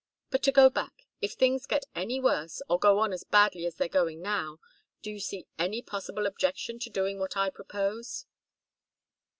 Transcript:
But to go back if things get any worse, or go on as badly as they're going now, do you see any possible objection to doing what I propose?"